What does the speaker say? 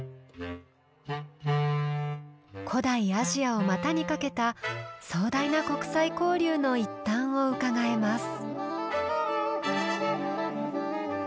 古代アジアをまたにかけた壮大な国際交流の一端をうかがえます。